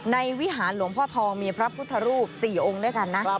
วิหารหลวงพ่อทองมีพระพุทธรูป๔องค์ด้วยกันนะ